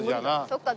そっか。